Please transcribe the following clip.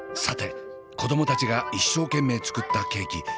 さて子供たちが一生懸命作ったケーキ。